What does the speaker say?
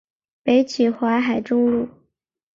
北起淮海中路。